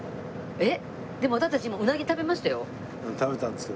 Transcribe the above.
えっ！